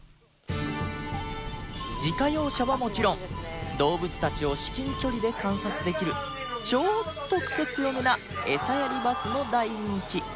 自家用車はもちろん動物たちを至近距離で観察できるちょっとクセ強めなエサやりバスも大人気